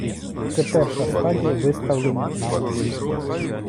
Це перша стадія виставлення на аукціон.